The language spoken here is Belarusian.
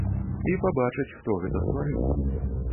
І пабачаць, хто гэта стварыў.